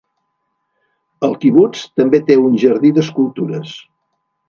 El quibuts també té un jardí d'escultures.